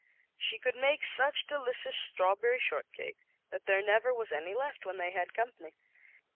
She could make such delicious straw berry shortcake that there never was any left, when they had company.